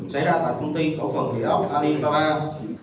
xảy ra tại công ty khổ phần địa bàn